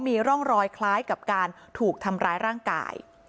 มีร่องรอยคล้ายกับการถูกทำร้ายร่างกาย